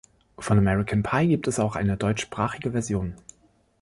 Von "American Pie" gibt es auch eine deutschsprachige Version.